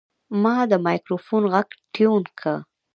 ما د مایکروفون غږ ټیون کړ.